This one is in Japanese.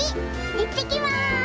いってきます！